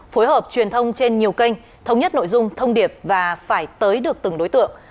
phối hợp truyền thông trên nhiều kênh thống nhất nội dung thông điệp và phải tới được từng đối tượng